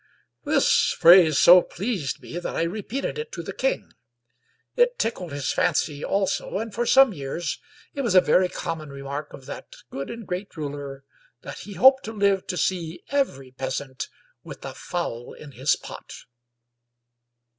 This phrase so pleased me that I repeated it to the king. It tickled his fancy also, and for some years it was a very common remark of that good and great ruler, that he hoped to live to see every peasant with a fowl in his pot.